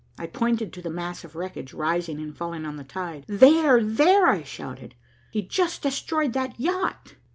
I pointed to the mass of wreckage rising and falling on the tide. "There! there!" I shouted. "He just destroyed that yacht."